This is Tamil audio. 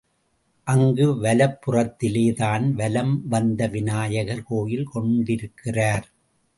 அங்கு வலப் புறத்திலேதான் வலம் வந்த விநாயகர் கோயில் கொண்டிருக்கிறார்.